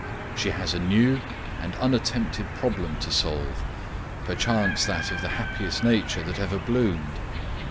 She has a new and unattempted problem to solve, perchance that of the happiest nature that ever bloomed.